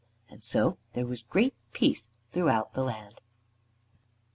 And so there was great peace throughout the land.